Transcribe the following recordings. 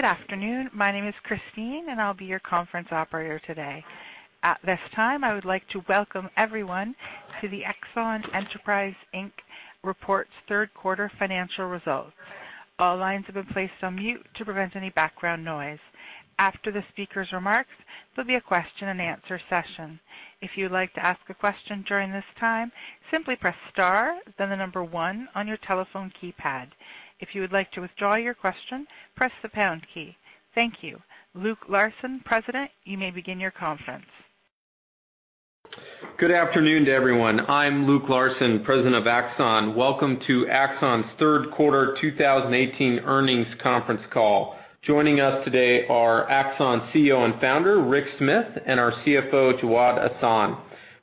Good afternoon. My name is Christine, and I'll be your conference operator today. At this time, I would like to welcome everyone to the Axon Enterprise, Inc's reports third quarter financial results. All lines have been placed on mute to prevent any background noise. After the speaker's remarks, there'll be a question and answer session. If you would like to ask a question during this time, simply press star, then the number one on your telephone keypad. If you would like to withdraw your question, press the pound key. Thank you. Luke Larson, President, you may begin your conference. Good afternoon to everyone. I'm Luke Larson, President of Axon. Welcome to Axon's third quarter 2018 earnings conference call. Joining us today are Axon CEO and Founder, Rick Smith, and our CFO, Jawad Ahsan.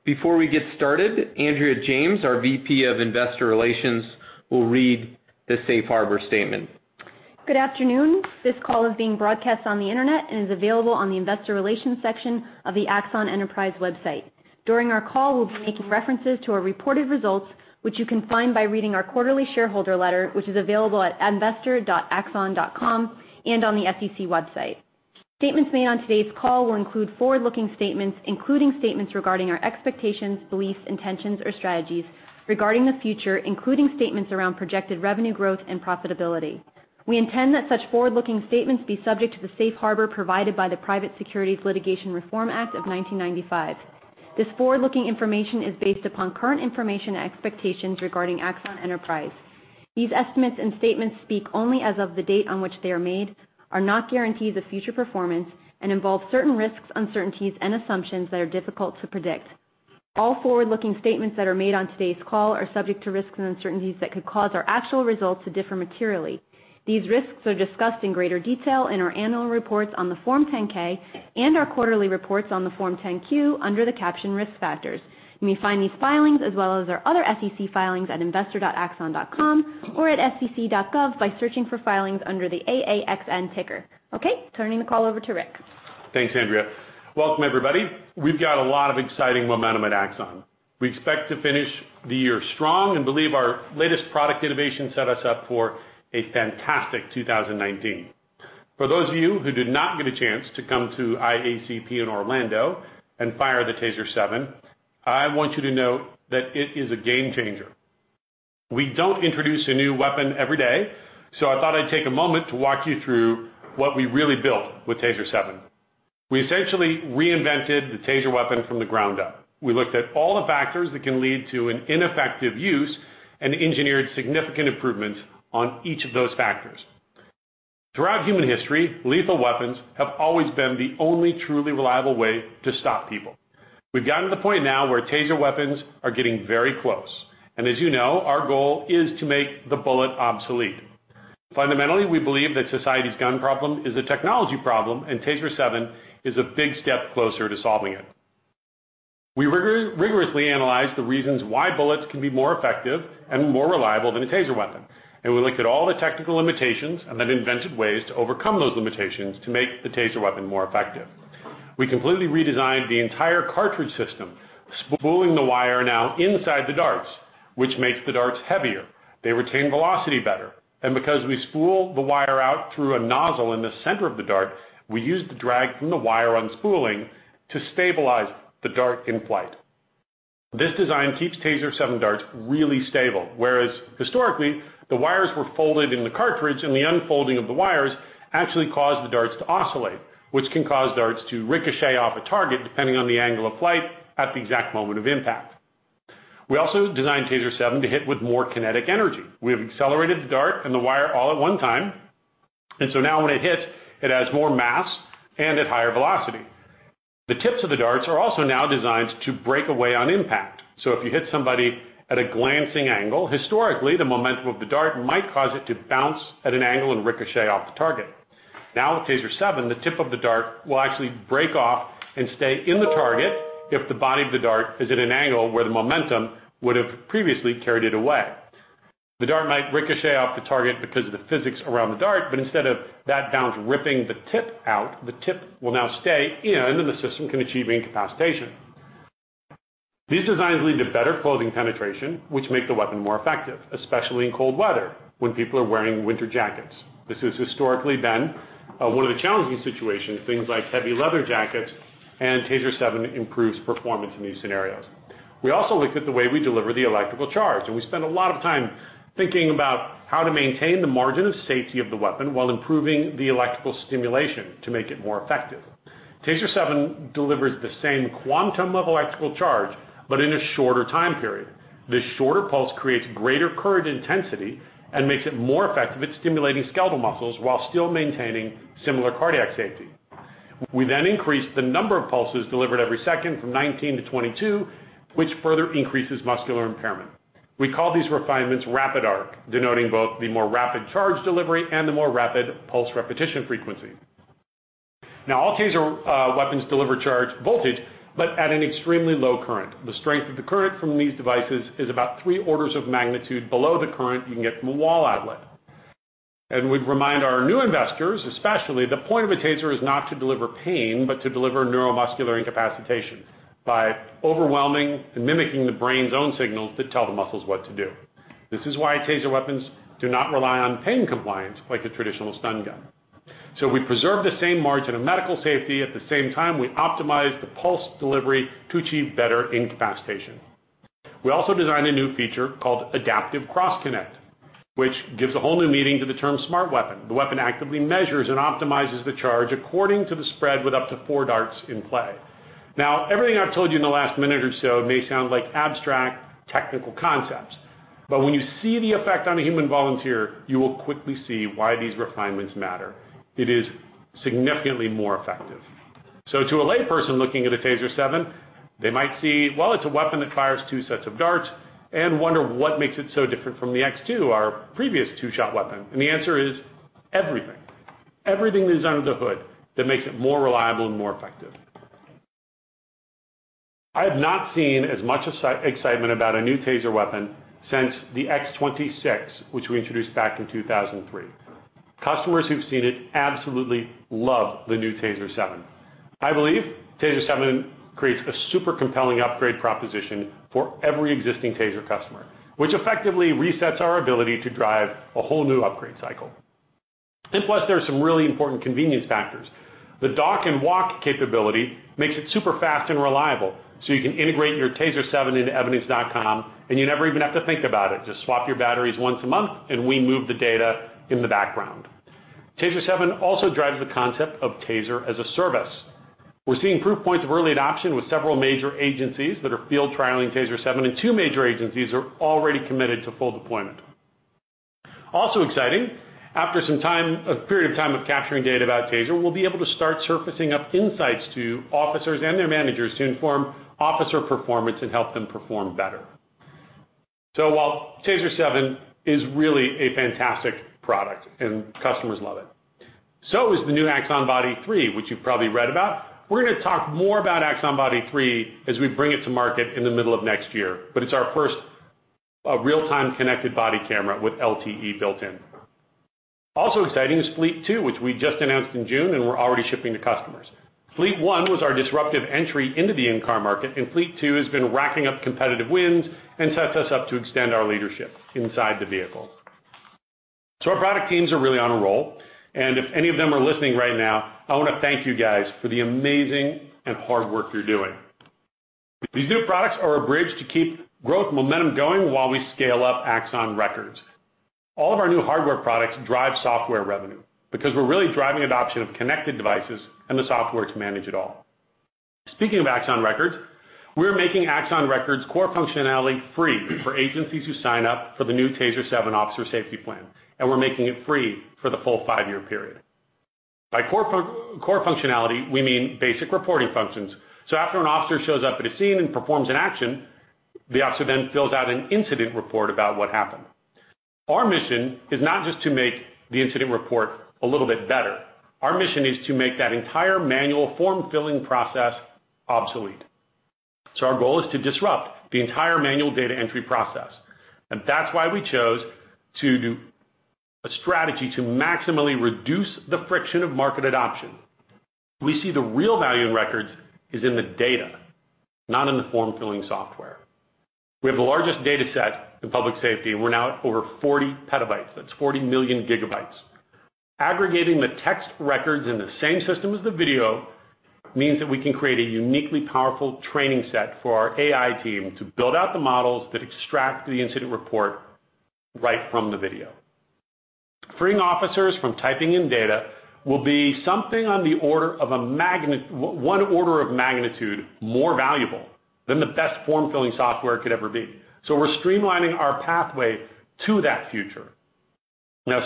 Before we get started, Andrea James, our VP of Investor Relations, will read the safe harbor statement. Good afternoon. This call is being broadcast on the internet and is available on the investor relations section of the Axon Enterprise website. During our call, we'll be making references to our reported results, which you can find by reading our quarterly shareholder letter, which is available at investor.axon.com and on the SEC website. Statements made on today's call will include forward-looking statements, including statements regarding our expectations, beliefs, intentions or strategies regarding the future, including statements around projected revenue growth and profitability. We intend that such forward-looking statements be subject to the safe harbor provided by the Private Securities Litigation Reform Act of 1995. This forward-looking information is based upon current information and expectations regarding Axon Enterprise. These estimates and statements speak only as of the date on which they are made, are not guarantees of future performance, and involve certain risks, uncertainties, and assumptions that are difficult to predict. All forward-looking statements that are made on today's call are subject to risks and uncertainties that could cause our actual results to differ materially. These risks are discussed in greater detail in our annual reports on the Form 10-K and our quarterly reports on the Form 10-Q under the caption Risk Factors. You may find these filings as well as our other SEC filings at investor.axon.com or at sec.gov by searching for filings under the AAXN ticker. Okay, turning the call over to Rick. Thanks, Andrea. Welcome everybody. We've got a lot of exciting momentum at Axon. We expect to finish the year strong and believe our latest product innovation set us up for a fantastic 2019. For those of you who did not get a chance to come to IACP in Orlando and fire the TASER 7, I want you to know that it is a game changer. I thought I'd take a moment to walk you through what we really built with TASER 7. We essentially reinvented the TASER weapon from the ground up. We looked at all the factors that can lead to an ineffective use and engineered significant improvements on each of those factors. Throughout human history, lethal weapons have always been the only truly reliable way to stop people. We've gotten to the point now where TASER weapons are getting very close. As you know, our goal is to make the bullet obsolete. Fundamentally, we believe that society's gun problem is a technology problem. TASER 7 is a big step closer to solving it. We rigorously analyzed the reasons why bullets can be more effective and more reliable than a TASER weapon. We looked at all the technical limitations and then invented ways to overcome those limitations to make the TASER weapon more effective. We completely redesigned the entire cartridge system, spooling the wire now inside the darts, which makes the darts heavier. They retain velocity better. Because we spool the wire out through a nozzle in the center of the dart, we use the drag from the wire unspooling to stabilize the dart in flight. This design keeps TASER 7 darts really stable, whereas historically, the wires were folded in the cartridge. The unfolding of the wires actually caused the darts to oscillate, which can cause darts to ricochet off a target depending on the angle of flight at the exact moment of impact. We also designed TASER 7 to hit with more kinetic energy. We have accelerated the dart and the wire all at one time. Now when it hits, it has more mass and at higher velocity. The tips of the darts are also now designed to break away on impact. If you hit somebody at a glancing angle, historically, the momentum of the dart might cause it to bounce at an angle and ricochet off the target. With TASER 7, the tip of the dart will actually break off and stay in the target if the body of the dart is at an angle where the momentum would have previously carried it away. The dart might ricochet off the target because of the physics around the dart. Instead of that bounce ripping the tip out, the tip will now stay in and the system can achieve incapacitation. These designs lead to better clothing penetration, which make the weapon more effective, especially in cold weather when people are wearing winter jackets. This has historically been one of the challenging situations, things like heavy leather jackets. TASER 7 improves performance in these scenarios. We also looked at the way we deliver the electrical charge. We spent a lot of time thinking about how to maintain the margin of safety of the weapon while improving the electrical stimulation to make it more effective. TASER 7 delivers the same quantum level electrical charge, but in a shorter time period. This shorter pulse creates greater current intensity and makes it more effective at stimulating skeletal muscles while still maintaining similar cardiac safety. We increased the number of pulses delivered every second from 19 to 22, which further increases muscular impairment. We call these refinements Rapid Arc, denoting both the more rapid charge delivery and the more rapid pulse repetition frequency. All TASER weapons deliver charge voltage, but at an extremely low current. The strength of the current from these devices is about three orders of magnitude below the current you can get from a wall outlet. We'd remind our new investors, especially, the point of a TASER is not to deliver pain, but to deliver neuromuscular incapacitation by overwhelming and mimicking the brain's own signals that tell the muscles what to do. This is why TASER weapons do not rely on pain compliance like a traditional stun gun. We preserve the same margin of medical safety. At the same time, we optimize the pulse delivery to achieve better incapacitation. We also designed a new feature called Adaptive Cross Connect, which gives a whole new meaning to the term smart weapon. The weapon actively measures and optimizes the charge according to the spread, with up to four darts in play. Everything I've told you in the last minute or so may sound like abstract technical concepts, but when you see the effect on a human volunteer, you will quickly see why these refinements matter. It is significantly more effective. To a lay person looking at a TASER 7, they might see, well, it's a weapon that fires two sets of darts and wonder what makes it so different from the TASER X2, our previous two-shot weapon. The answer is everything. Everything is under the hood that makes it more reliable and more effective. I have not seen as much excitement about a new TASER weapon since the TASER X26, which we introduced back in 2003. Customers who've seen it absolutely love the new TASER 7. I believe TASER 7 creates a super compelling upgrade proposition for every existing TASER customer, which effectively resets our ability to drive a whole new upgrade cycle. Plus, there are some really important convenience factors. The Dock and Walk capability makes it super fast and reliable, so you can integrate your TASER 7 into Evidence.com. You never even have to think about it. Just swap your batteries once a month, and we move the data in the background. TASER 7 also drives the concept of TASER as a service. We're seeing proof points of early adoption with several major agencies that are field trialing TASER 7, and two major agencies are already committed to full deployment. Also exciting, after a period of time of capturing data about TASER, we'll be able to start surfacing up insights to officers and their managers to inform officer performance and help them perform better. While TASER 7 is really a fantastic product and customers love it, so is the new Axon Body 3, which you've probably read about. We're going to talk more about Axon Body 3 as we bring it to market in the middle of next year. It's our first real-time connected body camera with LTE built in. Also exciting is Fleet 2, which we just announced in June, and we're already shipping to customers. Fleet 1 was our disruptive entry into the in-car market, and Fleet 2 has been racking up competitive wins and sets us up to extend our leadership inside the vehicle. Our product teams are really on a roll, and if any of them are listening right now, I want to thank you guys for the amazing and hard work you're doing. These new products are a bridge to keep growth momentum going while we scale up Axon Records. All of our new hardware products drive software revenue because we're really driving adoption of connected devices and the software to manage it all. Speaking of Axon Records, we're making Axon Records' core functionality free for agencies who sign up for the new TASER 7 Officer Safety Plan, and we're making it free for the full five-year period. By core functionality, we mean basic reporting functions. After an officer shows up at a scene and performs an action, the officer then fills out an incident report about what happened. Our mission is not just to make the incident report a little bit better. Our mission is to make that entire manual form-filling process obsolete. Our goal is to disrupt the entire manual data entry process, and that's why we chose to do a strategy to maximally reduce the friction of market adoption. We see the real value in Records is in the data, not in the form-filling software. We have the largest data set in public safety. We're now at over 40 petabytes. That's 40 million gigabytes. Aggregating the text records in the same system as the video means that we can create a uniquely powerful training set for our AI team to build out the models that extract the incident report right from the video. Freeing officers from typing in data will be something one order of magnitude more valuable than the best form-filling software could ever be. We're streamlining our pathway to that future.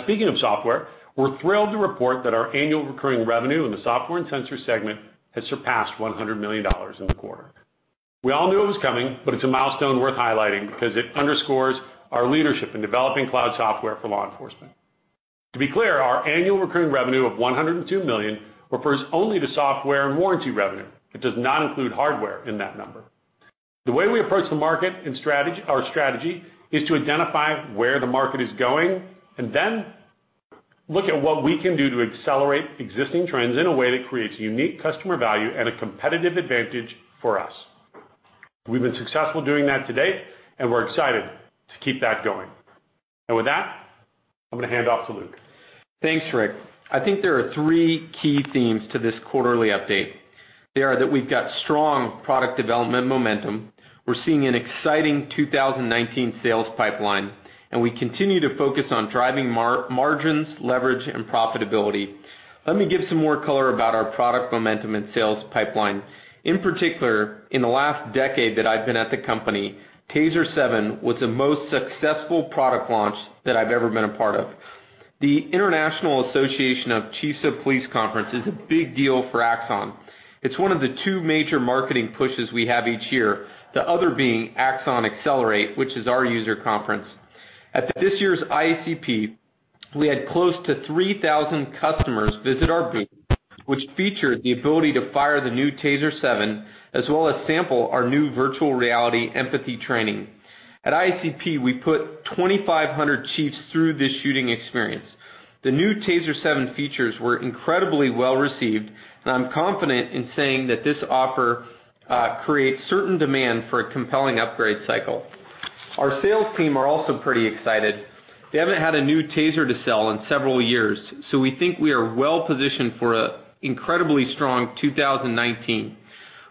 Speaking of software, we're thrilled to report that our annual recurring revenue in the software and sensor segment has surpassed $100 million in the quarter. We all knew it was coming, but it's a milestone worth highlighting because it underscores our leadership in developing cloud software for law enforcement. To be clear, our annual recurring revenue of $102 million refers only to software and warranty revenue. It does not include hardware in that number. The way we approach the market and our strategy is to identify where the market is going and then look at what we can do to accelerate existing trends in a way that creates unique customer value and a competitive advantage for us. We've been successful doing that to date, we're excited to keep that going. With that, I'm going to hand off to Luke. Thanks, Rick. I think there are three key themes to this quarterly update. They are that we've got strong product development momentum, we're seeing an exciting 2019 sales pipeline, we continue to focus on driving margins, leverage, and profitability. Let me give some more color about our product momentum and sales pipeline. In particular, in the last decade that I've been at the company, TASER 7 was the most successful product launch that I've ever been a part of. The International Association of Chiefs of Police Conference is a big deal for Axon. It's one of the two major marketing pushes we have each year, the other being Axon Accelerate, which is our user conference. At this year's IACP, we had close to 3,000 customers visit our booth, which featured the ability to fire the new TASER 7, as well as sample our new virtual reality empathy training. At IACP, we put 2,500 chiefs through this shooting experience. The new TASER 7 features were incredibly well-received, I'm confident in saying that this offer creates certain demand for a compelling upgrade cycle. Our sales team are also pretty excited. They haven't had a new TASER to sell in several years, so we think we are well-positioned for an incredibly strong 2019.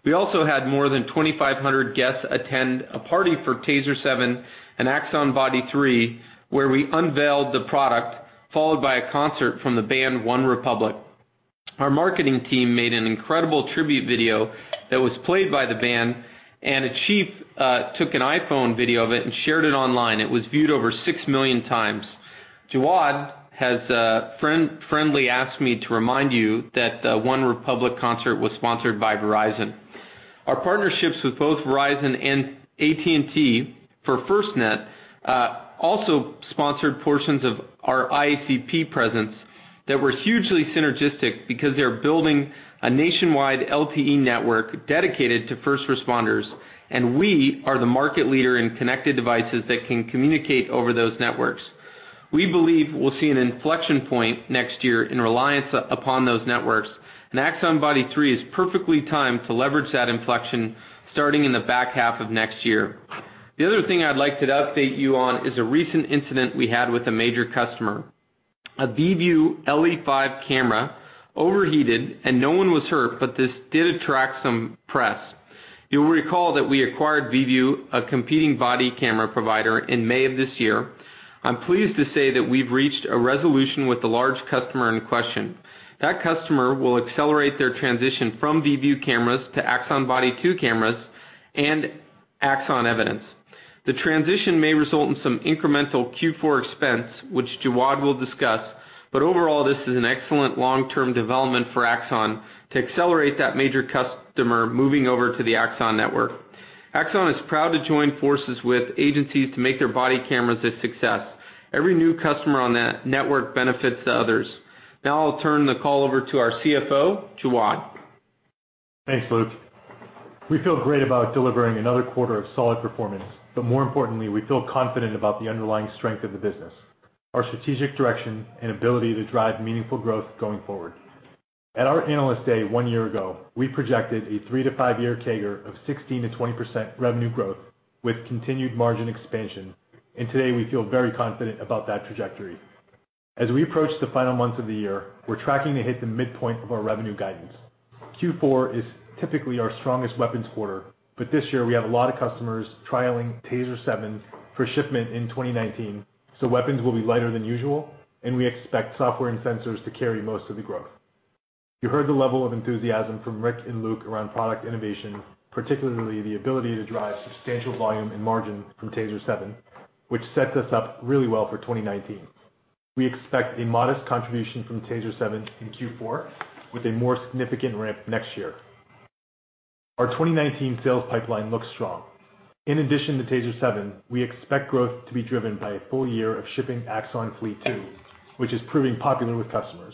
We also had more than 2,500 guests attend a party for TASER 7 and Axon Body 3, where we unveiled the product, followed by a concert from the band OneRepublic. Our marketing team made an incredible tribute video that was played by the band, a chief took an iPhone video of it and shared it online. It was viewed over 6 million times. Jawad has friendly asked me to remind you that the OneRepublic concert was sponsored by Verizon. Our partnerships with both Verizon and AT&T for FirstNet also sponsored portions of our IACP presence that were hugely synergistic because they're building a nationwide LTE network dedicated to first responders, we are the market leader in connected devices that can communicate over those networks. We believe we'll see an inflection point next year in reliance upon those networks. Axon Body 3 is perfectly timed to leverage that inflection, starting in the back half of next year. The other thing I'd like to update you on is a recent incident we had with a major customer. A VIEVU LE5 camera overheated, no one was hurt, but this did attract some press. You'll recall that we acquired VIEVU, a competing body camera provider, in May of this year. I'm pleased to say that we've reached a resolution with the large customer in question. That customer will accelerate their transition from VIEVU cameras to Axon Body 2 cameras and Axon Evidence. The transition may result in some incremental Q4 expense, which Jawad will discuss. Overall, this is an excellent long-term development for Axon to accelerate that major customer moving over to the Axon network. Axon is proud to join forces with agencies to make their body cameras a success. Every new customer on that network benefits the others. Now I'll turn the call over to our CFO, Jawad. Thanks, Luke. We feel great about delivering another quarter of solid performance. More importantly, we feel confident about the underlying strength of the business, our strategic direction, and ability to drive meaningful growth going forward. At our Analyst Day one year ago, we projected a three-to-five-year CAGR of 16%-20% revenue growth with continued margin expansion. Today we feel very confident about that trajectory. As we approach the final months of the year, we're tracking to hit the midpoint of our revenue guidance. Q4 is typically our strongest weapons quarter, but this year we have a lot of customers trialing TASER 7s for shipment in 2019. Weapons will be lighter than usual, and we expect software and sensors to carry most of the growth. You heard the level of enthusiasm from Rick and Luke around product innovation, particularly the ability to drive substantial volume and margin from TASER 7, which sets us up really well for 2019. We expect a modest contribution from TASER 7 in Q4 with a more significant ramp next year. Our 2019 sales pipeline looks strong. In addition to TASER 7, we expect growth to be driven by a full year of shipping Axon Fleet 2, which is proving popular with customers,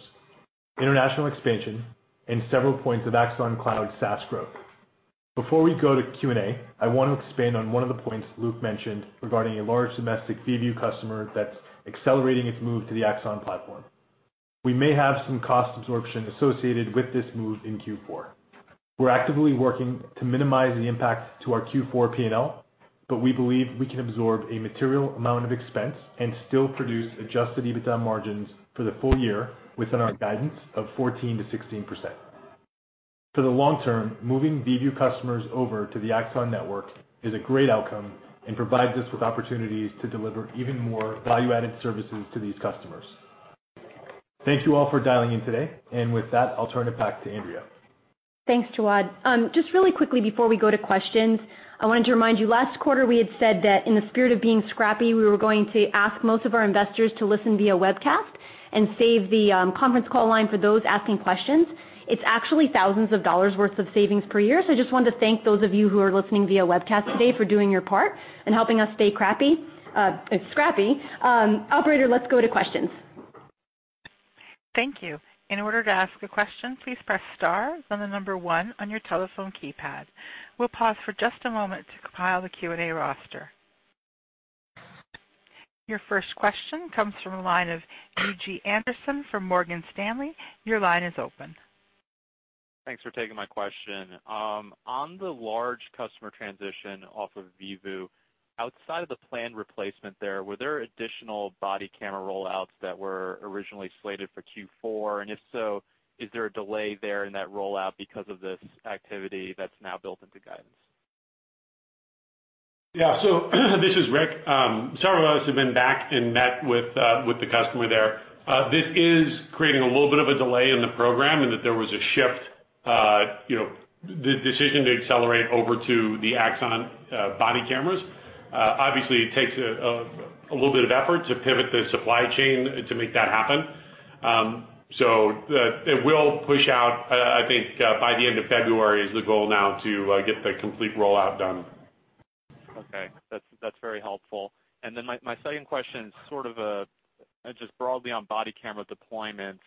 international expansion, and several points of Axon Cloud SaaS growth. Before we go to Q&A, I want to expand on one of the points Luke mentioned regarding a large domestic VIEVU customer that's accelerating its move to the Axon platform. We may have some cost absorption associated with this move in Q4. We're actively working to minimize the impact to our Q4 P&L. We believe we can absorb a material amount of expense and still produce adjusted EBITDA margins for the full year within our guidance of 14%-16%. For the long term, moving VIEVU customers over to the Axon network is a great outcome and provides us with opportunities to deliver even more value-added services to these customers. Thank you all for dialing in today. With that, I'll turn it back to Andrea. Thanks, Jawad. Just really quickly before we go to questions, I wanted to remind you, last quarter we had said that in the spirit of being scrappy, we were going to ask most of our investors to listen via webcast and save the conference call line for those asking questions. It's actually thousands of dollars worth of savings per year, so I just wanted to thank those of you who are listening via webcast today for doing your part in helping us stay crappy, scrappy. Operator, let's go to questions. Thank you. In order to ask a question, please press star, then the number one on your telephone keypad. We'll pause for just a moment to compile the Q&A roster. Your first question comes from the line of Yuuji Anderson from Morgan Stanley. Your line is open. Thanks for taking my question. On the large customer transition off of VIEVU, outside of the planned replacement there, were there additional body camera rollouts that were originally slated for Q4? If so, is there a delay there in that rollout because of this activity that's now built into guidance? Yeah. This is Rick. Several of us have been back and met with the customer there. This is creating a little bit of a delay in the program in that there was a shift, the decision to accelerate over to the Axon body cameras. Obviously it takes a little bit of effort to pivot the supply chain to make that happen. It will push out, I think, by the end of February is the goal now to get the complete rollout done. That's very helpful. My second question is sort of a just broadly on body camera deployments.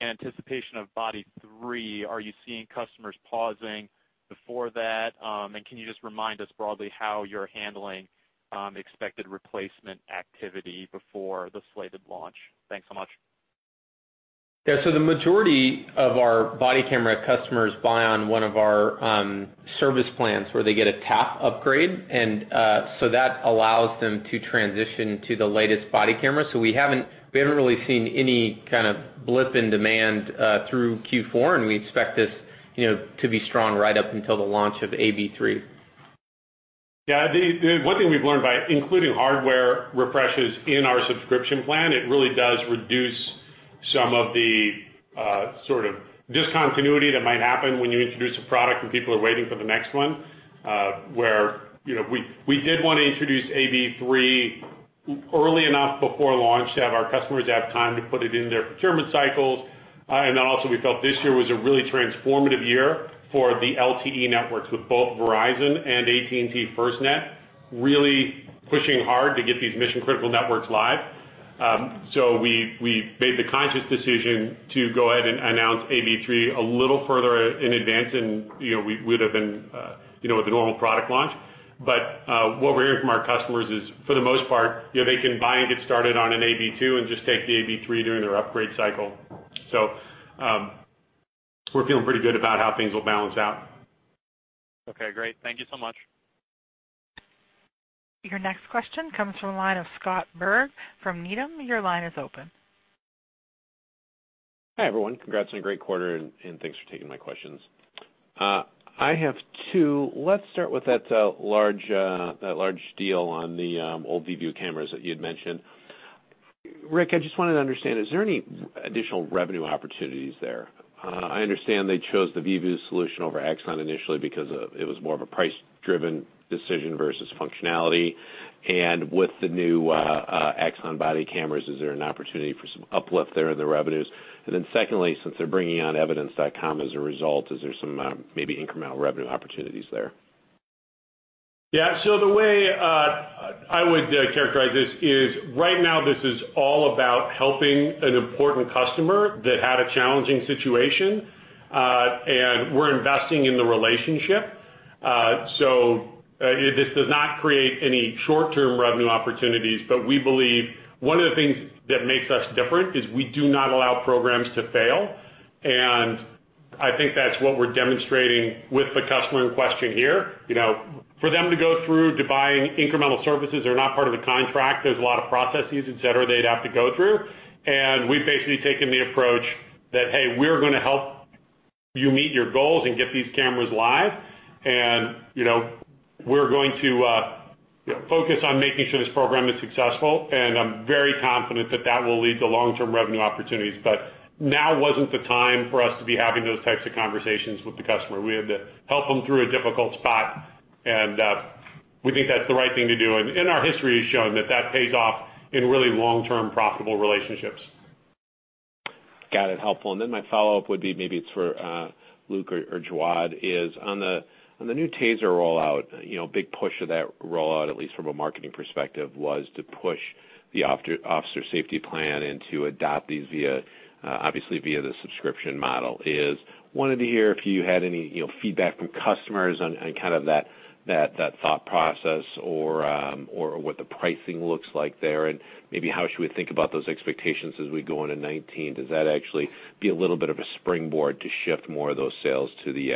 In anticipation of Body 3, are you seeing customers pausing before that? Can you just remind us broadly how you're handling expected replacement activity before the slated launch? Thanks so much. Yeah. The majority of our body camera customers buy on one of our service plans where they get a TAP upgrade, that allows them to transition to the latest body camera. We haven't really seen any kind of blip in demand through Q4, we expect this, you know, to be strong right up until the launch of AB3. Yeah, the one thing we've learned by including hardware refreshes in our subscription plan, it really does reduce some of the sort of discontinuity that might happen when you introduce a product, people are waiting for the next one. Where, you know, we did want to introduce AB3 early enough before launch to have our customers have time to put it in their procurement cycles. We felt this year was a really transformative year for the LTE networks with both Verizon and AT&T FirstNet, really pushing hard to get these mission-critical networks live. We made the conscious decision to go ahead and announce AB3 a little further in advance than, you know, we would have been, you know, with a normal product launch. What we're hearing from our customers is, for the most part, you know, they can buy and get started on an AB2 and just take the AB3 during their upgrade cycle. We're feeling pretty good about how things will balance out. Okay, great. Thank you so much. Your next question comes from the line of Scott Berg from Needham. Your line is open. Hi, everyone. Congrats on a great quarter, and thanks for taking my questions. I have two. Let's start with that large deal on the old VIEVU cameras that you'd mentioned. Rick, I just wanted to understand, is there any additional revenue opportunities there? I understand they chose the VIEVU solution over Axon initially because it was more of a price-driven decision versus functionality. With the new Axon body cameras, is there an opportunity for some uplift there in the revenues? Secondly, since they're bringing on evidence.com as a result, is there some, maybe incremental revenue opportunities there? Yeah. The way I would characterize this is right now, this is all about helping an important customer that had a challenging situation, and we're investing in the relationship. This does not create any short-term revenue opportunities, but we believe one of the things that makes us different is we do not allow programs to fail. I think that's what we're demonstrating with the customer in question here. You know, for them to go through to buying incremental services that are not part of the contract, there's a lot of processes, et cetera, they'd have to go through. We've basically taken the approach that, hey, we're gonna help you meet your goals and get these cameras live, you know, we're going to, you know, focus on making sure this program is successful, I'm very confident that that will lead to long-term revenue opportunities. Now wasn't the time for us to be having those types of conversations with the customer. We had to help them through a difficult spot, we think that's the right thing to do. Our history has shown that pays off in really long-term profitable relationships. Got it. Helpful. My follow-up would be maybe it's for Luke or Jawad, is on the new TASER rollout, you know, big push of that rollout, at least from a marketing perspective, was to push the Officer Safety Plan and to adopt these via, obviously via the subscription model, wanted to hear if you had any, you know, feedback from customers on kind of that thought process or what the pricing looks like there, and maybe how should we think about those expectations as we go into 2019? Does that actually be a little bit of a springboard to shift more of those sales to the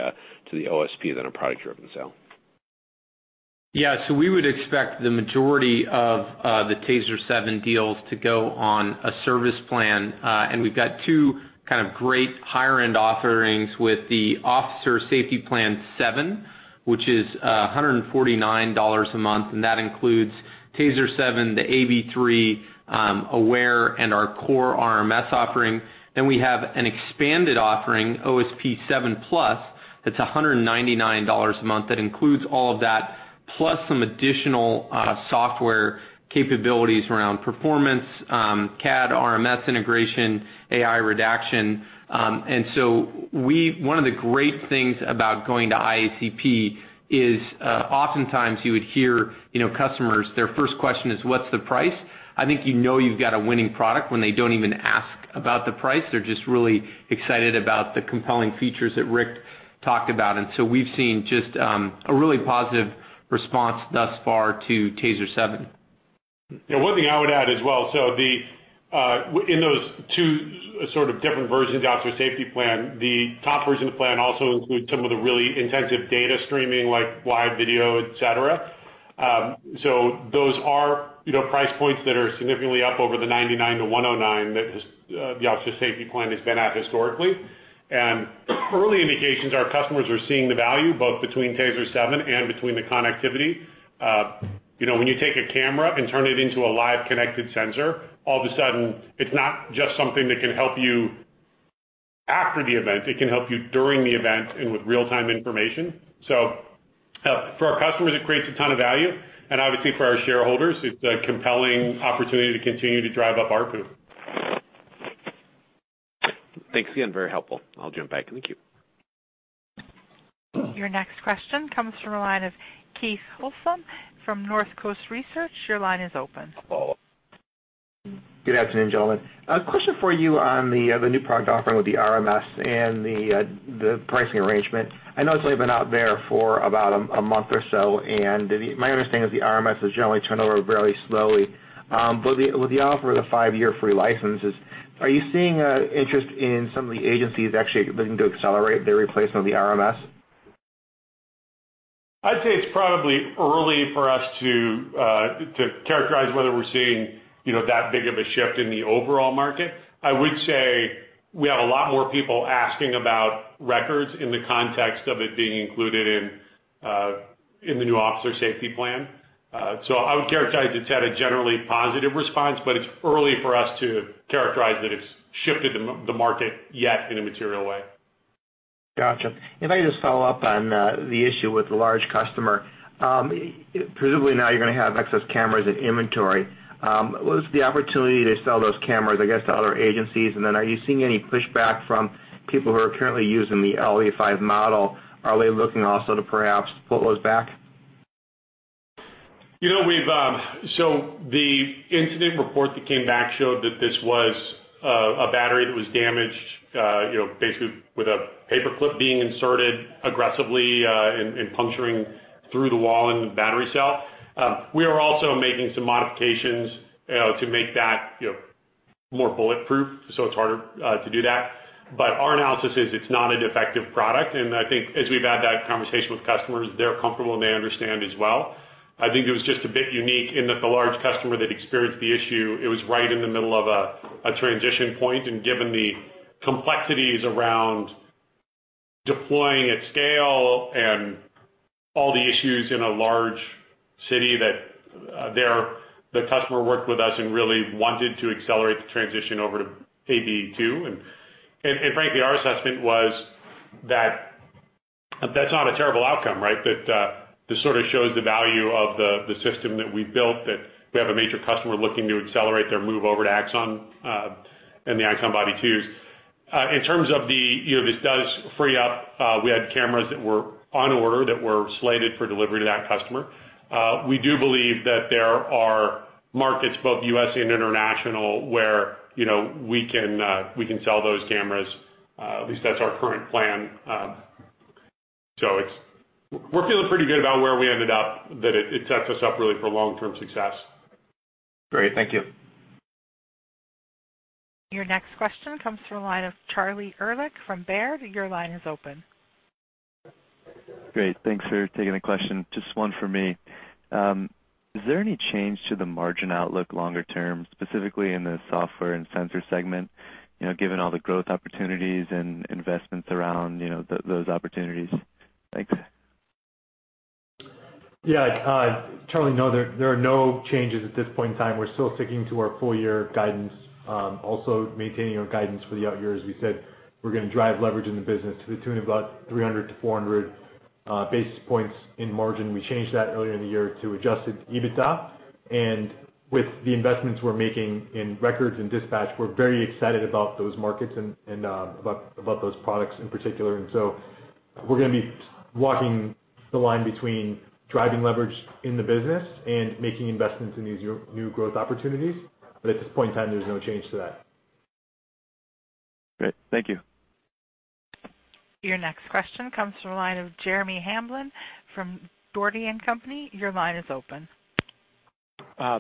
OSP than a product-driven sale? We would expect the majority of the TASER 7 deals to go on a service plan. We've got two kind of great higher-end offerings with the Officer Safety Plan 7, which is $149 a month, and that includes TASER 7, the AB3 Aware, and our core RMS offering. Then we have an expanded offering, OSP 7 Plus, that's $199 a month. That includes all of that, plus some additional software capabilities around performance, CAD, RMS integration, AI redaction. One of the great things about going to IACP is oftentimes you would hear, you know, customers, their first question is, "What's the price?" I think you know you've got a winning product when they don't even ask about the price. They're just really excited about the compelling features that Rick talked about. We've seen just a really positive response thus far to TASER 7. One thing I would add as well, in those two sort of different versions of Officer Safety Plan, the top version of the plan also includes some of the really intensive data streaming, like live video, et cetera. Those are, you know, price points that are significantly up over the $99-$109 that the Officer Safety Plan has been at historically. Early indications are customers are seeing the value both between TASER 7 and between the connectivity. You know, when you take a camera and turn it into a live connected sensor, all of a sudden, it's not just something that can help you after the event, it can help you during the event and with real-time information. For our customers, it creates a ton of value. Obviously, for our shareholders, it's a compelling opportunity to continue to drive up ARPU. Thanks again. Very helpful. I'll jump back in the queue. Your next question comes from the line of Keith Housum from Northcoast Research. Your line is open. Good afternoon, gentlemen. A question for you on the new product offering with the RMS and the pricing arrangement. I know it's only been out there for about a month or so, and my understanding is the RMS is generally turned over very slowly. With the offer of the five-year free licenses, are you seeing interest in some of the agencies actually looking to accelerate their replacement of the RMS? I'd say it's probably early for us to characterize whether we're seeing that big of a shift in the overall market. I would say we have a lot more people asking about records in the context of it being included in the new Officer Safety Plan. I would characterize it's had a generally positive response, it's early for us to characterize that it's shifted the market yet in a material way. Gotcha. If I could just follow up on the issue with the large customer. Presumably now you're going to have excess cameras in inventory. What is the opportunity to sell those cameras, I guess, to other agencies? Then are you seeing any pushback from people who are currently using the LE5 model? Are they looking also to perhaps pull those back? The incident report that came back showed that this was a battery that was damaged, basically with a paperclip being inserted aggressively, and puncturing through the wall in the battery cell. We are also making some modifications to make that more bulletproof, so it's harder to do that. Our analysis is it's not a defective product, I think as we've had that conversation with customers, they're comfortable, they understand as well. I think it was just a bit unique in that the large customer that experienced the issue, it was right in the middle of a transition point, given the complexities around deploying at scale and all the issues in a large city that the customer worked with us and really wanted to accelerate the transition over to AB2. Frankly, our assessment was that that's not a terrible outcome, right? This sort of shows the value of the system that we've built, that we have a major customer looking to accelerate their move over to Axon, and the Axon Body 2s. In terms of the, this does free up, we had cameras that were on order that were slated for delivery to that customer. We do believe that there are markets, both U.S. and international, where we can sell those cameras. At least that's our current plan. We're feeling pretty good about where we ended up, that it sets us up really for long-term success. Great. Thank you. Your next question comes from the line of Charlie Erlikh from Baird. Your line is open. Great. Thanks for taking the question. Just one from me. Is there any change to the margin outlook longer term, specifically in the software and sensor segment, given all the growth opportunities and investments around those opportunities? Thanks. Yeah. Charlie, no, there are no changes at this point in time. We're still sticking to our full-year guidance, also maintaining our guidance for the out years. We said we're going to drive leverage in the business to the tune of about 300 to 400 basis points in margin. We changed that earlier in the year to adjusted EBITDA, and with the investments we're making in Axon Records and dispatch, we're very excited about those markets and about those products in particular. We're going to be walking the line between driving leverage in the business and making investments in these new growth opportunities. At this point in time, there's no change to that. Great. Thank you. Your next question comes from the line of Jeremy Hamblin from Dougherty & Company. Your line is open.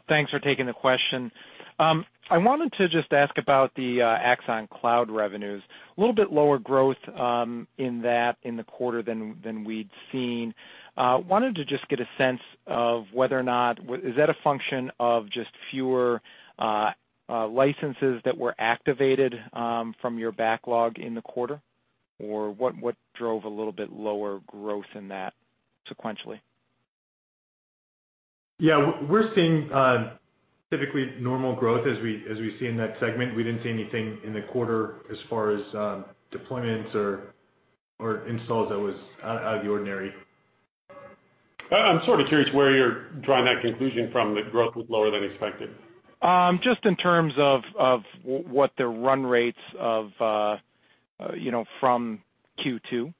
Thanks for taking the question. I wanted to just ask about the Axon Cloud revenues. A little bit lower growth in that in the quarter than we'd seen. Wanted to just get a sense of whether or not, is that a function of just fewer licenses that were activated from your backlog in the quarter? Or what drove a little bit lower growth in that sequentially? Yeah. We're seeing typically normal growth as we see in that segment. We didn't see anything in the quarter as far as deployments or installs that was out of the ordinary. I'm sort of curious where you're drawing that conclusion from, that growth was lower than expected. Just in terms of what the run rates from Q2 to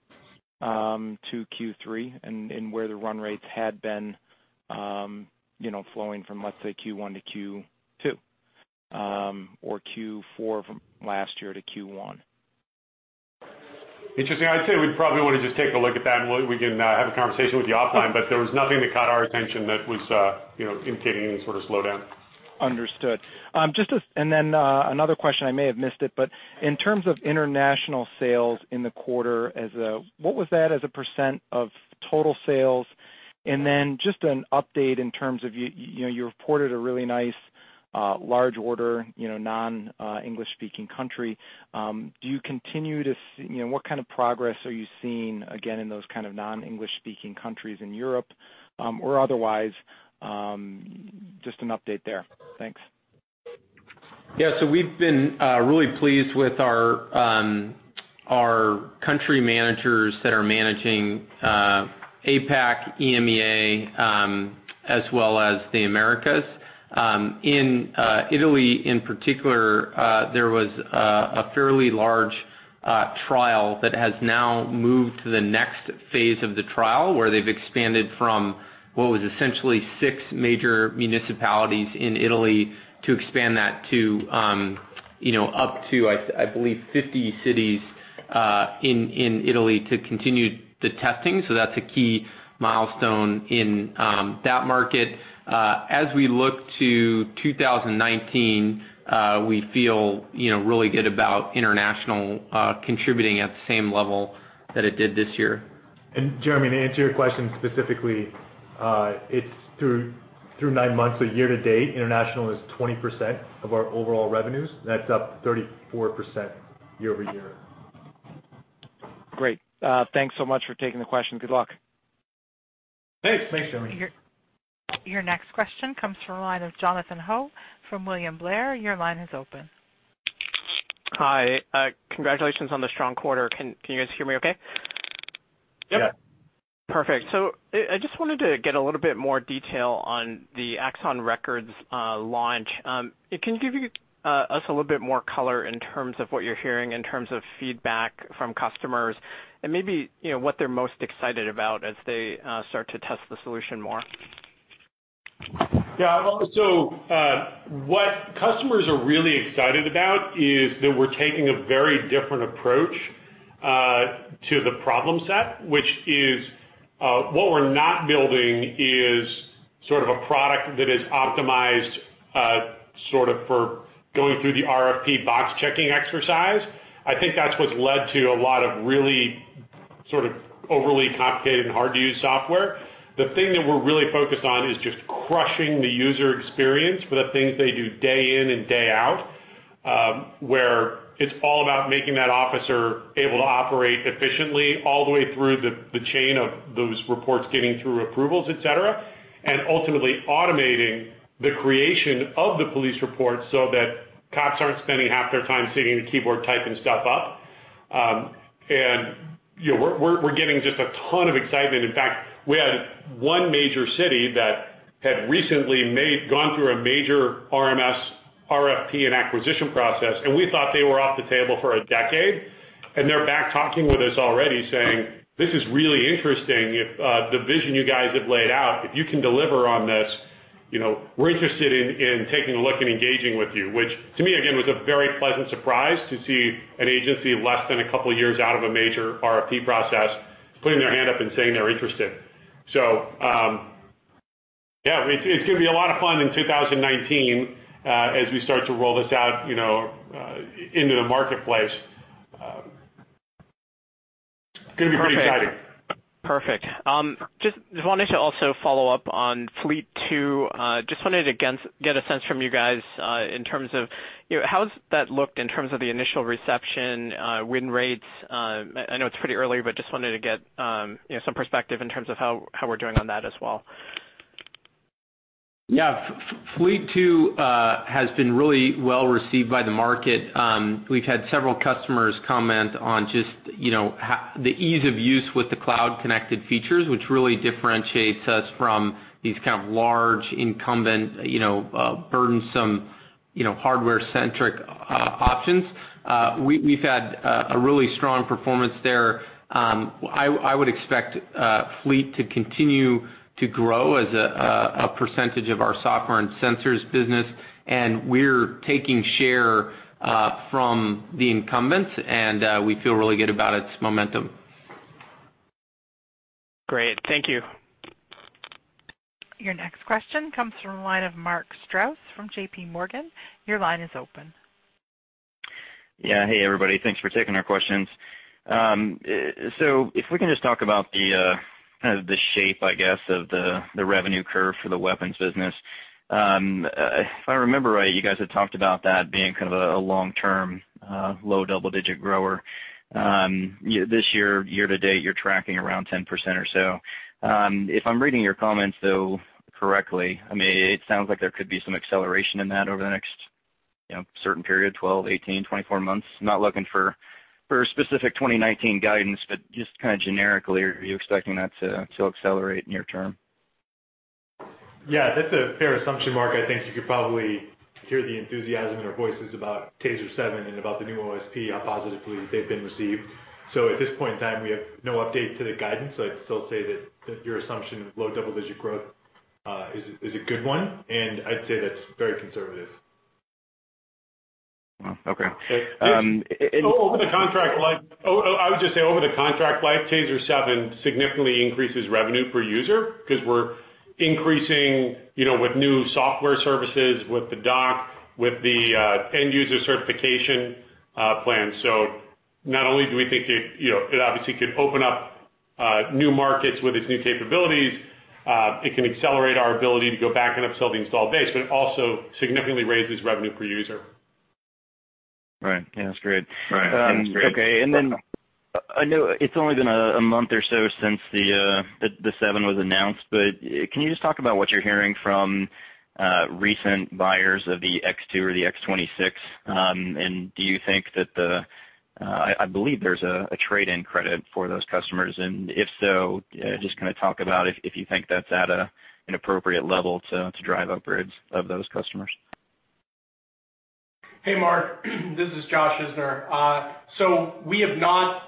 Q3 and where the run rates had been flowing from, let's say, Q1 to Q2 or Q4 from last year to Q1. Interesting. I'd say we'd probably want to just take a look at that, and we can have a conversation with you offline, but there was nothing that caught our attention that was indicating any sort of slowdown. Understood. Another question, I may have missed it, but in terms of international sales in the quarter, what was that as a percent of total sales? Just an update in terms of, you reported a really nice large order, non-English-speaking country. What kind of progress are you seeing, again, in those kind of non-English-speaking countries in Europe or otherwise? Just an update there. Thanks. Yeah. We've been really pleased with our country managers that are managing APAC, EMEA, as well as the Americas. In Italy in particular, there was a fairly large trial that has now moved to the next phase of the trial, where they've expanded from what was essentially six major municipalities in Italy to expand that up to, I believe, 50 cities in Italy to continue the testing. That's a key milestone in that market. As we look to 2019, we feel really good about international contributing at the same level that it did this year. Jeremy, to answer your question specifically, it's through nine months. Year to date, international is 20% of our overall revenues. That's up 34% year-over-year. Great. Thanks so much for taking the question. Good luck. Thanks, Jeremy. Your next question comes from the line of Jonathan Ho from William Blair. Your line is open. Hi. Congratulations on the strong quarter. Can you guys hear me okay? Yeah. Yeah. Perfect. I just wanted to get a little bit more detail on the Axon Records launch. Can you give us a little bit more color in terms of what you're hearing, in terms of feedback from customers and maybe what they're most excited about as they start to test the solution more? Yeah. What customers are really excited about is that we're taking a very different approach to the problem set, which is what we're not building is sort of a product that is optimized sort of for going through the RFP box-checking exercise. I think that's what's led to a lot of really sort of overly complicated and hard-to-use software. The thing that we're really focused on is just crushing the user experience for the things they do day in and day out, where it's all about making that officer able to operate efficiently all the way through the chain of those reports, getting through approvals, et cetera, and ultimately automating the creation of the police report so that cops aren't spending half their time sitting at a keyboard typing stuff up. We're getting just a ton of excitement. In fact, we had one major city that had recently gone through a major RMS RFP and acquisition process, and we thought they were off the table for a decade, and they're back talking with us already saying, "This is really interesting. If the vision you guys have laid out, if you can deliver on this, we're interested in taking a look and engaging with you," which to me, again, was a very pleasant surprise to see an agency less than a couple of years out of a major RFP process putting their hand up and saying they're interested. Yeah, it's going to be a lot of fun in 2019 as we start to roll this out into the marketplace. Going to be pretty exciting. Perfect. Just wanted to also follow up on Fleet 2. Just wanted to get a sense from you guys in terms of how has that looked in terms of the initial reception, win rates. I know it's pretty early, but just wanted to get some perspective in terms of how we're doing on that as well. Yeah. Fleet 2 has been really well received by the market. We've had several customers comment on just the ease of use with the cloud-connected features, which really differentiates us from these kind of large incumbent, burdensome, hardware-centric options. We've had a really strong performance there. I would expect Fleet to continue to grow as a percentage of our software and sensors business, and we're taking share from the incumbents, and we feel really good about its momentum. Great. Thank you. Your next question comes from the line of Mark Strouse from JPMorgan. Your line is open. Yeah. Hey, everybody. Thanks for taking our questions. If we can just talk about the shape, I guess, of the revenue curve for the weapons business. If I remember right, you guys had talked about that being kind of a long-term, low-double-digit grower. This year to date, you're tracking around 10% or so. If I'm reading your comments, though, correctly, it sounds like there could be some acceleration in that over the next certain period, 12, 18, 24 months. Not looking for specific 2019 guidance, but just kind of generically, are you expecting that to accelerate near term? Yeah, that's a fair assumption, Mark. I think you could probably hear the enthusiasm in our voices about TASER 7 and about the new OSP, how positively they've been received. At this point in time, we have no update to the guidance. I'd still say that your assumption of low double-digit growth is a good one, and I'd say that's very conservative. Okay. I would just say over the contract life, TASER 7 significantly increases revenue per user because we're increasing with new software services, with the dock, with the end-user certification plan. Not only do we think it obviously could open up new markets with its new capabilities, it can accelerate our ability to go back and upsell the installed base, but it also significantly raises revenue per user. Right. Yeah, that's great. Okay. I know it's only been a month or so since the 7 was announced, but can you just talk about what you're hearing from recent buyers of the X2 or the X26? Do you think that? I believe there's a trade-in credit for those customers, and if so, just kind of talk about if you think that's at an appropriate level to drive upgrades of those customers. Hey, Mark. This is Josh Isner. We have not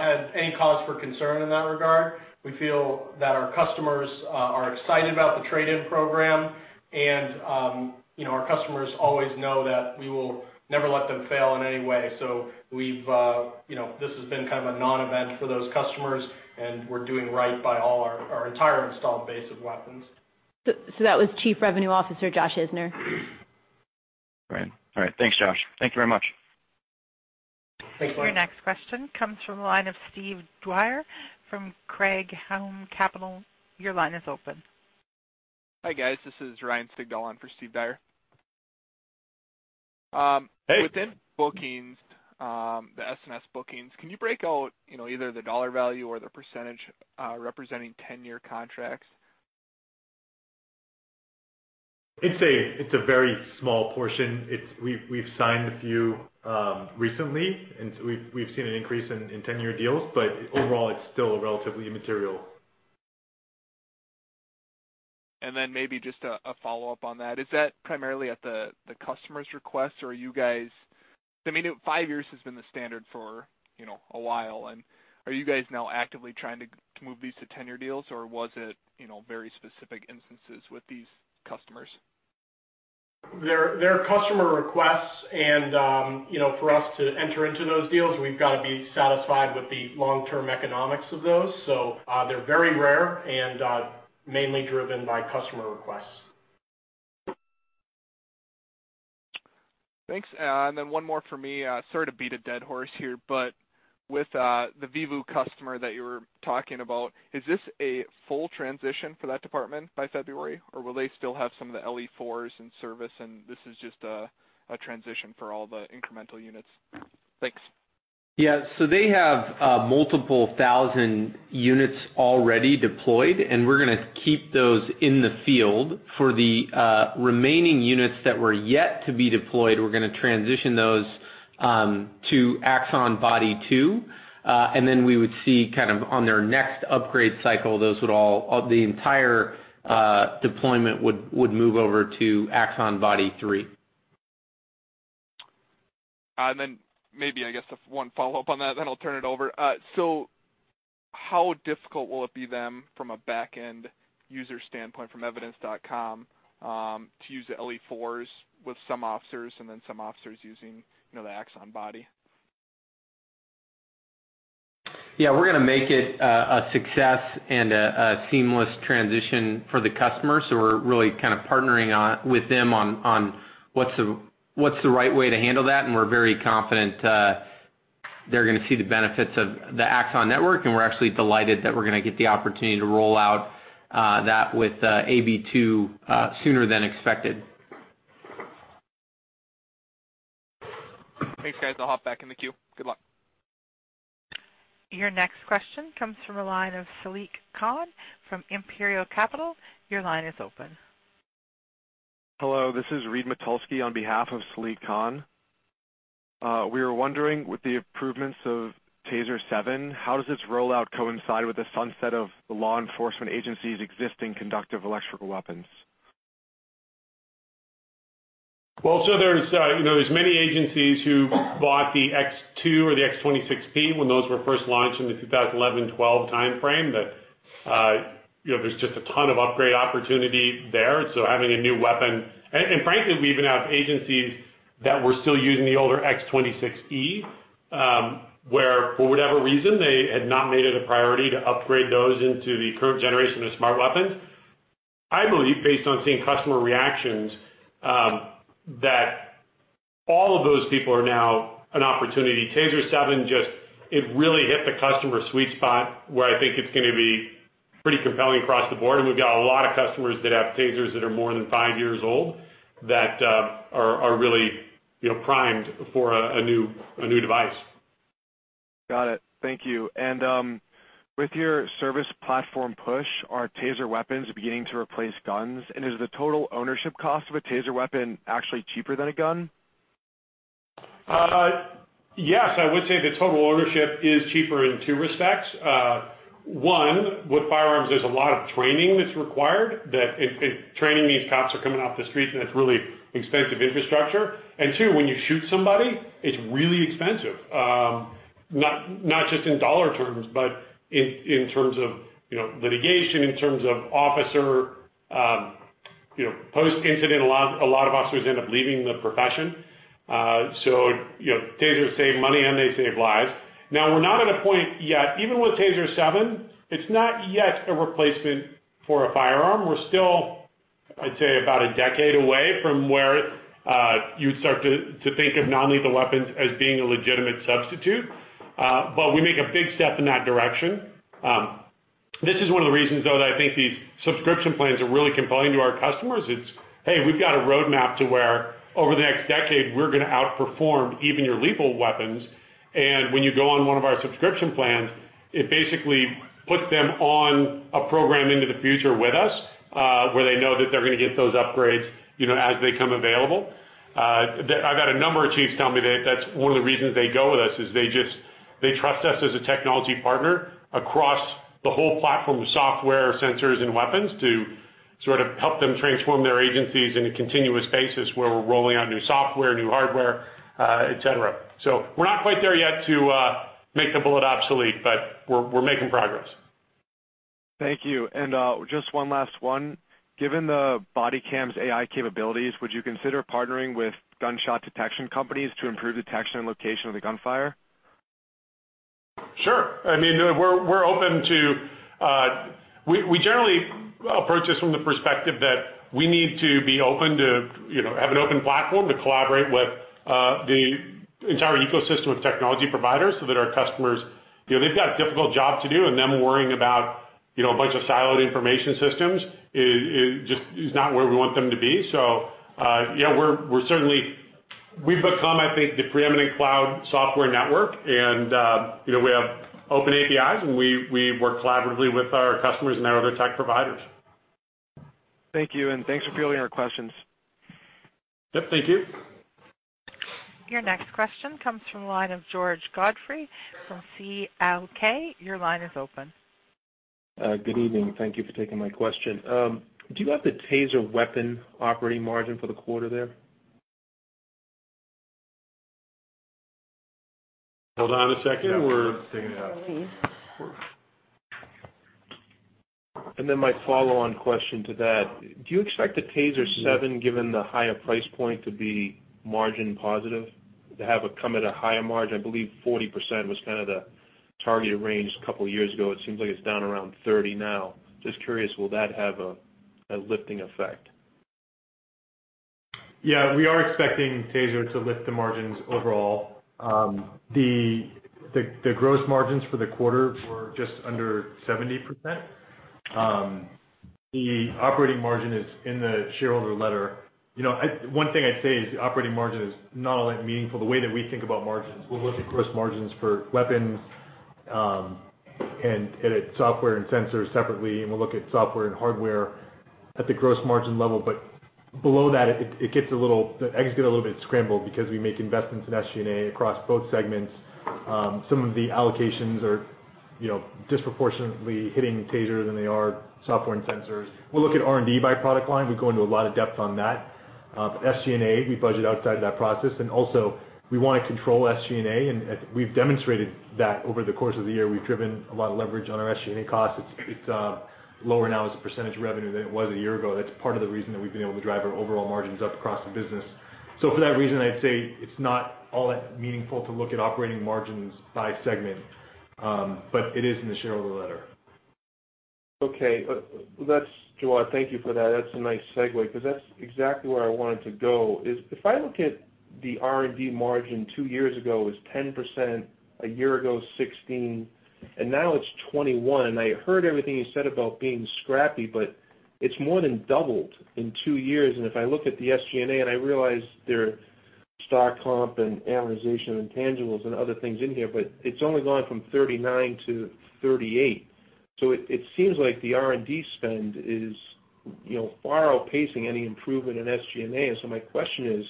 had any cause for concern in that regard. We feel that our customers are excited about the trade-in program, and our customers always know that we will never let them fail in any way. This has been kind of a non-event for those customers, and we're doing right by all our entire installed base of weapons. That was Chief Revenue Officer Josh Isner. Right. All right. Thanks, Josh. Thank you very much. Thanks. Your next question comes from the line of Steve Dyer from Craig-Hallum Capital. Your line is open. Hi, guys. This is Ryan Sigdahl on for Steve Dyer. Hey. Within bookings, the S&S bookings, can you break out either the dollar value or the percentage representing 10-year contracts? It's a very small portion. We've signed a few recently, and we've seen an increase in 10-year deals, but overall, it's still relatively immaterial. Maybe just a follow-up on that, is that primarily at the customer's request, or are you guys, I mean, five years has been the standard for a while, and are you guys now actively trying to move these to 10-year deals, or was it very specific instances with these customers? They're customer requests, for us to enter into those deals, we've got to be satisfied with the long-term economics of those. They're very rare and mainly driven by customer requests. Thanks. One more from me. Sorry to beat a dead horse here, with the VIEVU customer that you were talking about, is this a full transition for that department by February, or will they still have some of the LE4s in service and this is just a transition for all the incremental units? Thanks. Yeah. They have multiple thousand units already deployed, we're going to keep those in the field. For the remaining units that were yet to be deployed, we're going to transition those to Axon Body 2. We would see kind of on their next upgrade cycle, the entire deployment would move over to Axon Body 3. Maybe, I guess, one follow-up on that, then I'll turn it over. How difficult will it be then from a back-end user standpoint from Evidence.com to use the LE4s with some officers and then some officers using the Axon Body? Yeah, we're going to make it a success and a seamless transition for the customer. We're really kind of partnering with them on what's the right way to handle that, we're very confident they're going to see the benefits of the Axon network, we're actually delighted that we're going to get the opportunity to roll out that with AB2 sooner than expected. Thanks, guys. I'll hop back in the queue. Good luck. Your next question comes from the line of Saliq Khan from Imperial Capital. Your line is open. Hello. This is Reed Motulsky on behalf of Saliq Khan. We were wondering, with the improvements of TASER 7, how does its rollout coincide with the sunset of the law enforcement agency's existing conductive electrical weapons? There's many agencies who bought the TASER X2 or the TASER X26P when those were first launched in the 2011-2012 timeframe that there's just a ton of upgrade opportunity there. Having a new weapon. Frankly, we even have agencies that were still using the older TASER X26, where for whatever reason, they had not made it a priority to upgrade those into the current generation of Smart Weapons. I believe, based on seeing customer reactions, that all of those people are now an opportunity. TASER 7 just really hit the customer sweet spot where I think it's going to be pretty compelling across the board, and we've got a lot of customers that have TASERs that are more than five years old that are really primed for a new device. Got it. Thank you. With your service platform push, are TASER weapons beginning to replace guns? Is the total ownership cost of a TASER weapon actually cheaper than a gun? Yes, I would say the total ownership is cheaper in two respects. One, with firearms, there's a lot of training that's required. Training means cops are coming off the street, and that's really expensive infrastructure. Two, when you shoot somebody, it's really expensive. Not just in dollar terms, but in terms of litigation, in terms of officer post-incident, a lot of officers end up leaving the profession. TASERs save money and they save lives. We're not at a point yet, even with TASER 7, it's not yet a replacement for a firearm. We're still, I'd say, about a decade away from where you'd start to think of non-lethal weapons as being a legitimate substitute. We make a big step in that direction. This is one of the reasons, though, that I think these subscription plans are really compelling to our customers. It's, hey, we've got a roadmap to where over the next decade, we're going to outperform even your lethal weapons. When you go on one of our subscription plans, it basically puts them on a program into the future with us where they know that they're going to get those upgrades as they become available. I've had a number of chiefs tell me that's one of the reasons they go with us, is they trust us as a technology partner across the whole platform of software, sensors, and weapons to sort of help them transform their agencies in a continuous basis where we're rolling out new software, new hardware, et cetera. We're not quite there yet to make the bullet obsolete, we're making progress. Thank you. Just one last one. Given the body cams' AI capabilities, would you consider partnering with gunshot detection companies to improve detection and location of the gunfire? Sure. We generally approach this from the perspective that we need to have an open platform to collaborate with the entire ecosystem of technology providers so that our customers, they've got a difficult job to do, and them worrying about a bunch of siloed information systems is not where we want them to be. We've become, I think, the preeminent cloud software network, and we have open APIs, and we work collaboratively with our customers and our other tech providers. Thank you, and thanks for fielding our questions. Yep. Thank you. Your next question comes from the line of George Godfrey from C.L. King. Your line is open. Good evening. Thank you for taking my question. Do you have the TASER weapon operating margin for the quarter there? Hold on a second. Yeah, we're digging it up. My follow-on question to that, do you expect the TASER 7, given the higher price point, to be margin positive, to have it come at a higher margin? I believe 40% was kind of the targeted range a couple of years ago. It seems like it's down around 30% now. Just curious, will that have a lifting effect? We are expecting TASER to lift the margins overall. The gross margins for the quarter were just under 70%. The operating margin is in the shareholder letter. One thing I'd say is the operating margin is not all that meaningful. The way that we think about margins, we'll look at gross margins for weapons and at software and sensors separately, and we'll look at software and hardware at the gross margin level. Below that, the eggs get a little bit scrambled because we make investments in SG&A across both segments. Some of the allocations are disproportionately hitting TASER than they are software and sensors. We'll look at R&D by product line. We go into a lot of depth on that. SG&A, we budget outside that process, and also we want to control SG&A, and we've demonstrated that over the course of the year. We've driven a lot of leverage on our SG&A costs. It's lower now as a percentage of revenue than it was a year ago. That's part of the reason that we've been able to drive our overall margins up across the business. For that reason, I'd say it's not all that meaningful to look at operating margins by segment, it is in the shareholder letter. Okay. Jawad, thank you for that. That's a nice segue because that's exactly where I wanted to go, is if I look at the R&D margin two years ago was 10%, a year ago, 16%, and now it's 21%. I heard everything you said about being scrappy, it's more than doubled in two years. If I look at the SG&A, and I realize there are stock comp and amortization, intangibles, and other things in here, it's only gone from 39% to 38%. It seems like the R&D spend is far outpacing any improvement in SG&A. My question is,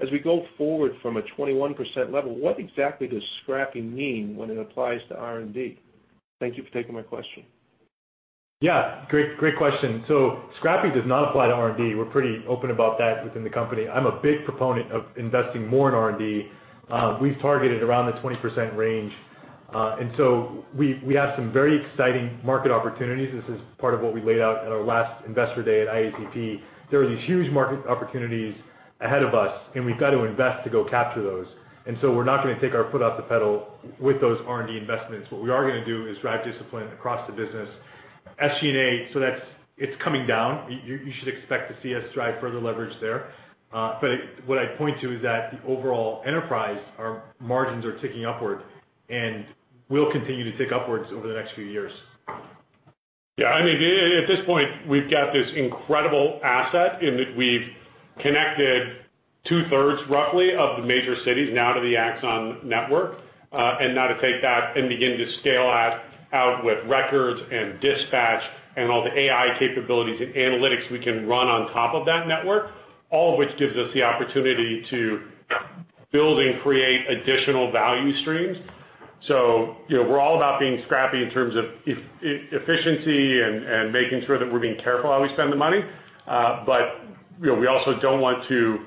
as we go forward from a 21% level, what exactly does scrappy mean when it applies to R&D? Thank you for taking my question. Yeah. Great question. Scrappy does not apply to R&D. We're pretty open about that within the company. I'm a big proponent of investing more in R&D. We've targeted around the 20% range. We have some very exciting market opportunities. This is part of what we laid out at our last investor day at IACP. There are these huge market opportunities ahead of us, and we've got to invest to go capture those. We're not going to take our foot off the pedal with those R&D investments. What we are going to do is drive discipline across the business. SG&A, so it's coming down. You should expect to see us drive further leverage there. What I'd point to is that the overall enterprise, our margins are ticking upward, and will continue to tick upwards over the next few years. Yeah, at this point, we've got this incredible asset in that we've connected two-thirds roughly of the major cities now to the Axon network. To take that and begin to scale out with records and dispatch and all the AI capabilities and analytics we can run on top of that network, all of which gives us the opportunity to build and create additional value streams. We're all about being scrappy in terms of efficiency and making sure that we're being careful how we spend the money. We also don't want to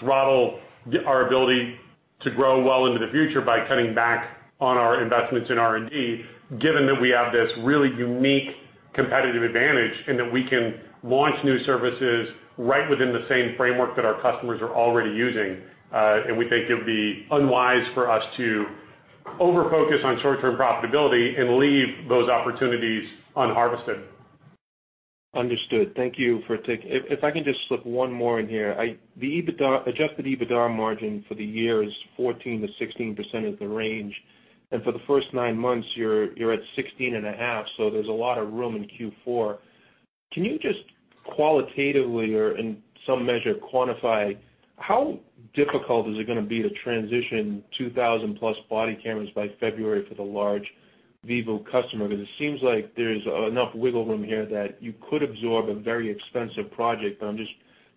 throttle our ability to grow well into the future by cutting back on our investments in R&D, given that we have this really unique competitive advantage in that we can launch new services right within the same framework that our customers are already using. We think it would be unwise for us to over-focus on short-term profitability and leave those opportunities unharvested. Understood. Thank you for taking. If I can just slip one more in here. The adjusted EBITDA margin for the year is 14%-16% is the range, and for the first nine months, you're at 16.5%, so there's a lot of room in Q4. Can you just qualitatively, or in some measure, quantify how difficult is it going to be to transition 2,000-plus body cameras by February for the large VIEVU customer? It seems like there's enough wiggle room here that you could absorb a very expensive project, but I'm just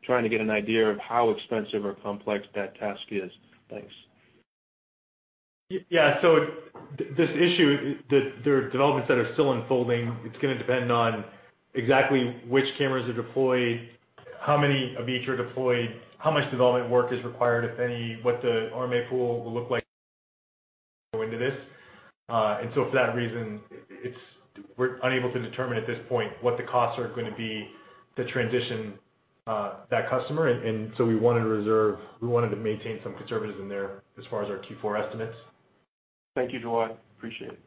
trying to get an idea of how expensive or complex that task is. Thanks. Yeah. This issue, there are developments that are still unfolding. It's going to depend on exactly which cameras are deployed, how many of each are deployed, how much development work is required, if any, what the RMA pool will look like going into this. For that reason, we're unable to determine at this point what the costs are going to be to transition that customer. We wanted to maintain some conservatism there as far as our Q4 estimates. Thank you, Jawad. Appreciate it.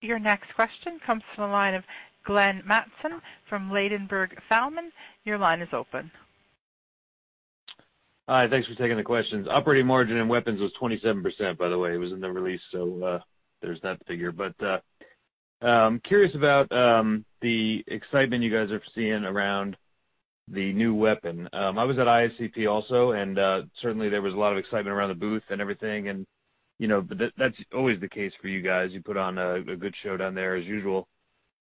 Your next question comes from the line of Glenn Mattson from Ladenburg Thalmann. Your line is open. Hi. Thanks for taking the questions. Operating margin in Weapons was 27%, by the way. It was in the release, so there's that figure. I'm curious about the excitement you guys are seeing around the new weapon. I was at IACP also, and certainly, there was a lot of excitement around the booth and everything, but that's always the case for you guys. You put on a good show down there, as usual.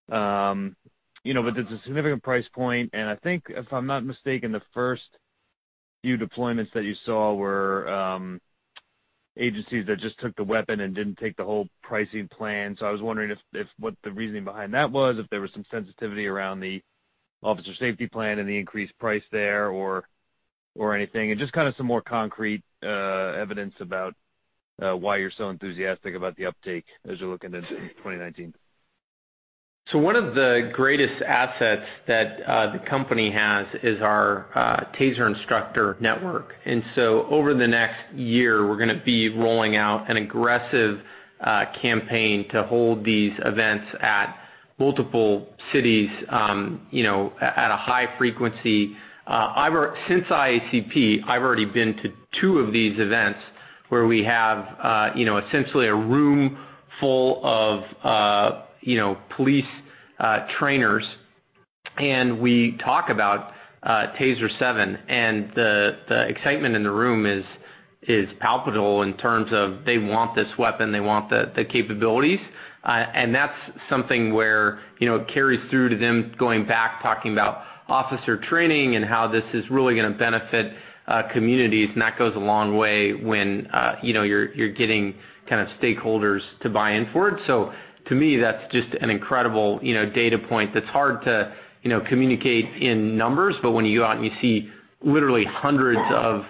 There's a significant price point, and I think, if I'm not mistaken, the first few deployments that you saw were agencies that just took the weapon and didn't take the whole pricing plan. I was wondering what the reasoning behind that was, if there was some sensitivity around the Officer Safety Plan and the increased price there or anything, and just kind of some more concrete evidence about why you're so enthusiastic about the uptake as you're looking into 2019. One of the greatest assets that the company has is our TASER instructor network. Over the next year, we're going to be rolling out an aggressive campaign to hold these events at multiple cities at a high frequency. Since IACP, I've already been to two of these events where we have essentially a room full of police trainers, and we talk about TASER 7, and the excitement in the room is palpable in terms of they want this weapon, they want the capabilities. That's something where it carries through to them going back, talking about officer training and how this is really going to benefit communities. That goes a long way when you're getting kind of stakeholders to buy in for it. To me, that's just an incredible data point that's hard to communicate in numbers, but when you go out and you see literally hundreds of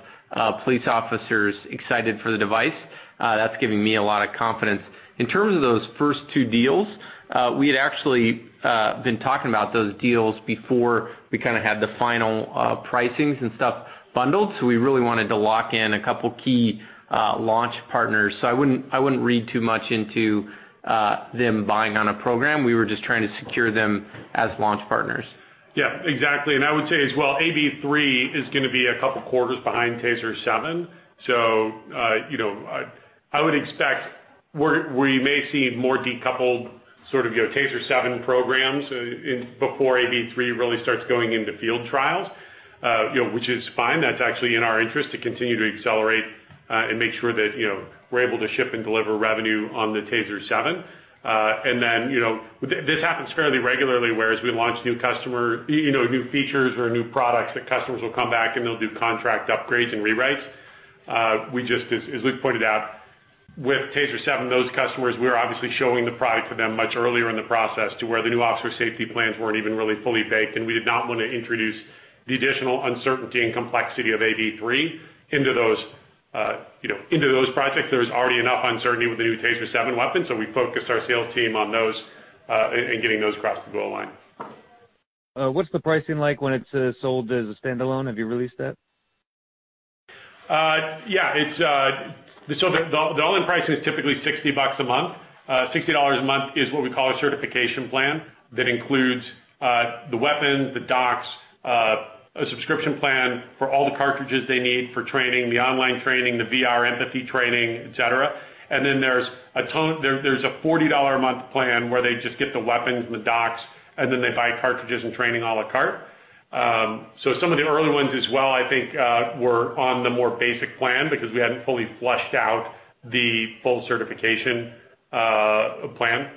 police officers excited for the device, that's giving me a lot of confidence. In terms of those first two deals, we had actually been talking about those deals before we kind of had the final pricings and stuff bundled. We really wanted to lock in a couple key launch partners. I wouldn't read too much into them buying on a program. We were just trying to secure them as launch partners. Yeah, exactly. I would say as well, AB3 is going to be a couple quarters behind TASER 7. I would expect we may see more decoupled sort of TASER 7 programs before AB3 really starts going into field trials, which is fine. That's actually in our interest to continue to accelerate and make sure that we're able to ship and deliver revenue on the TASER 7. This happens fairly regularly, where as we launch new features or new products, the customers will come back, and they'll do contract upgrades and rewrites. As Luke pointed out, with TASER 7, those customers, we were obviously showing the product to them much earlier in the process to where the new Officer Safety Plans weren't even really fully baked, and we did not want to introduce the additional uncertainty and complexity of AB3 into those projects. There was already enough uncertainty with the new TASER 7 weapon, so we focused our sales team on those and getting those across the goal line. What's the pricing like when it's sold as a standalone? Have you released that? Yeah. The all-in price is typically $60 a month. 60 dollars a month is what we call a certification plan that includes the weapon, the docks, a subscription plan for all the cartridges they need for training, the online training, the VR empathy training, et cetera. Then there's a $40 a month plan where they just get the weapons, the docks, and then they buy cartridges and training à la carte. Some of the early ones as well, I think, were on the more basic plan because we hadn't fully fleshed out the full certification plan.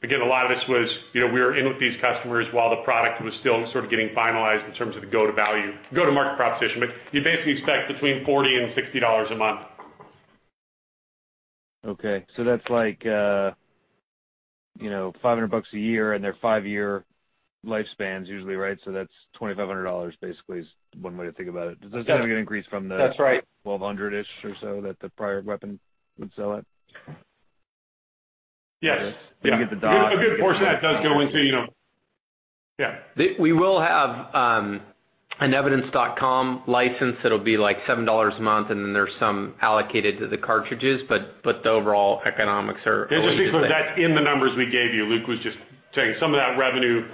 Again, a lot of this was we were in with these customers while the product was still sort of getting finalized in terms of the go-to-market proposition, but you basically expect between $40 and $60 a month. Okay, that's like $500 a year, and they're 5-year lifespans usually, right? That's $2,500 basically is one way to think about it. Does that get increased? That's right. $1,200-ish or so that the prior weapon would sell at? Yes. You get the docks. A good portion of that does go into, Yeah. We will have an Evidence.com license that'll be like $7 a month, and then there's some allocated to the cartridges, but the overall economics are. Just because that's in the numbers we gave you. Luke was just saying some of that revenue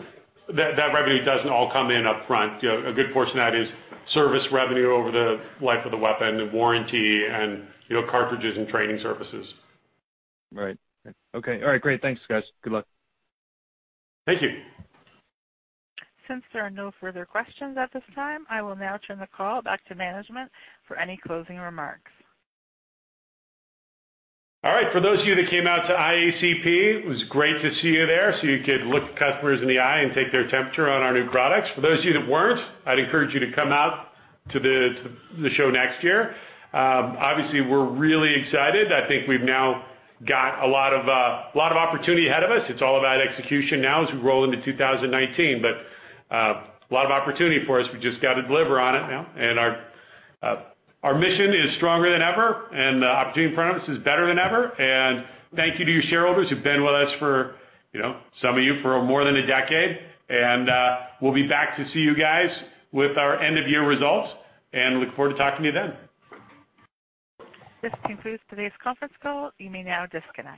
doesn't all come in upfront. A good portion of that is service revenue over the life of the weapon, the warranty, and cartridges and training services. Right. Okay. All right, great. Thanks, guys. Good luck. Thank you. Since there are no further questions at this time, I will now turn the call back to management for any closing remarks. All right. For those of you that came out to IACP, it was great to see you there so you could look customers in the eye and take their temperature on our new products. For those of you that weren't, I'd encourage you to come out to the show next year. Obviously, we're really excited. I think we've now got a lot of opportunity ahead of us. It's all about execution now as we roll into 2019, but a lot of opportunity for us. We've just got to deliver on it now. Our mission is stronger than ever, and the opportunity in front of us is better than ever. Thank you to you shareholders who've been with us for, some of you, for more than a decade. We'll be back to see you guys with our end-of-year results, and look forward to talking to you then. This concludes today's conference call. You may now disconnect.